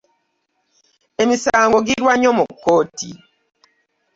Emisango girwa nnyo mu kkooti.